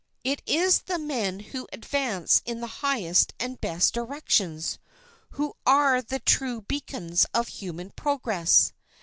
It is the men who advance in the highest and best directions who are the true beacons of human progress.